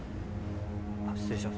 失礼します。